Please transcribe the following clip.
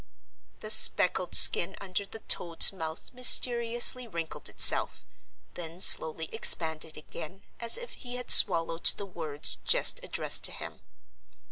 The speckled skin under the toad's mouth mysteriously wrinkled itself, then slowly expanded again, as if he had swallowed the words just addressed to him.